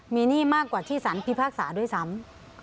มีหนี้มากกว่าที่สารพิพากษาด้วยซ้ำ